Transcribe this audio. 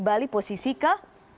bali posisi ke lima